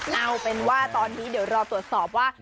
เอาเป็นว่าตอนนี้เดี๋ยวรอตรวจสอบว่า